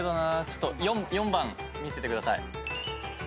ちょっと４番見せてください。